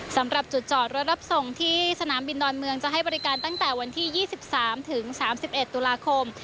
สำหรับจุดจอดรถรับส่งที่สนามบินดอนเมืองจะให้บริการตั้งแต่วันที่๒๓ถึง๓๑ตุลาคม